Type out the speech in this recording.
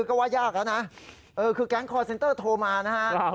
ก็ว่ายากแล้วนะคือแก๊งคอร์เซ็นเตอร์โทรมานะฮะ